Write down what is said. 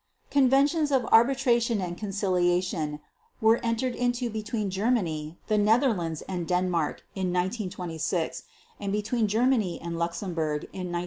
." Conventions of Arbitration and Conciliation were entered into between Germany, the Netherlands, and Denmark in 1926; and between Germany and Luxembourg in 1929.